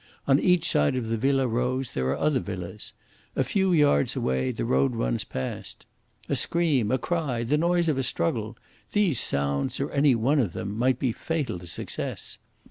On each side of the Villa Rose there are other villas; a few yards away the road runs past. A scream, a cry, the noise of a struggle these sounds, or any one of them, might be fatal to success.